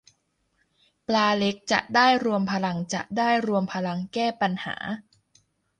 ปลาเล็ก จะได้รวมพลังจะได้รวมพลังแก้ปัญหา